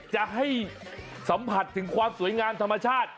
จะให้สัมผัสถึงความสวยงามธรรมชาติ